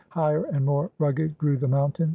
Higher and more rugged grew the mountains.